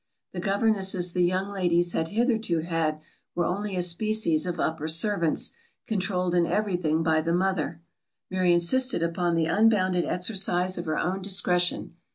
The governesses the young ladies had hitherto had, were only a species of upper servants, controlled in every thing by the mother; Mary insisted upon the unbounded exercise of her own discretion.